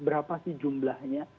berapa sih jumlahnya